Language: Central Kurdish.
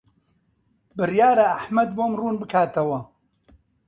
بڕیارە ئەحمەد بۆم ڕوون بکاتەوە.